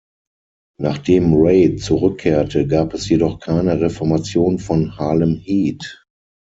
Nachdem Ray zurückkehrte, gab es jedoch keine Reformation von Harlem Heat.